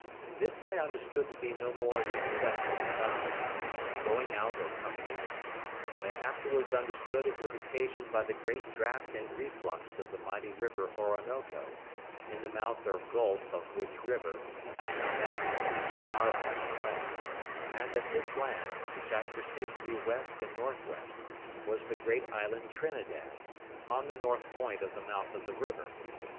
This I understood to be no more than the sets of the tide, as going out or coming in; but I afterwards understood it was occasioned by the great draft and reflux of the mighty river Orinoco, in the mouth or gulf of which river, as I found afterwards, our island lay; and that this land, which I perceived to be W. and NW., was the great island Trinidad, on the north point of the mouth of the river.